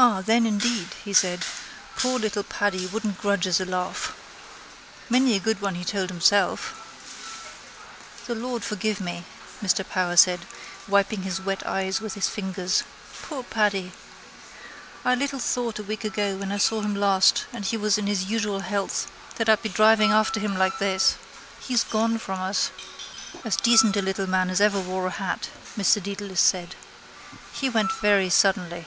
—Ah then indeed, he said, poor little Paddy wouldn't grudge us a laugh. Many a good one he told himself. —The Lord forgive me! Mr Power said, wiping his wet eyes with his fingers. Poor Paddy! I little thought a week ago when I saw him last and he was in his usual health that I'd be driving after him like this. He's gone from us. —As decent a little man as ever wore a hat, Mr Dedalus said. He went very suddenly.